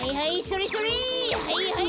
はいはい！